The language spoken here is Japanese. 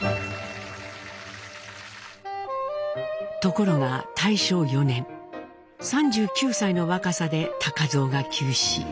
ところが大正４年３９歳の若さで蔵が急死。